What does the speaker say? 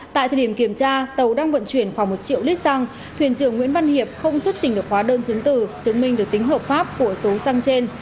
tại thời điểm kiểm tra tàu đang vận chuyển khoảng một triệu lít xăng thuyền trưởng nguyễn văn hiệp không xuất trình được khóa đơn chứng từ chứng minh được tính hợp pháp của số xăng trên